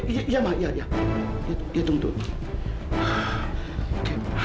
iya ma iya tunggu dulu